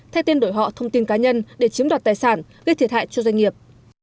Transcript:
thay tên đổi họ thông tin cá nhân để chấm đoạt tài sản gây thiệt hại cho doanh nghiệp